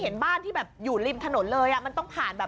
เห็นบ้านที่แบบอยู่ริมถนนเลยอ่ะมันต้องผ่านแบบ